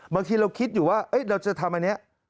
บางทีเราคิดอยู่ว่าเราจะทำอันนี้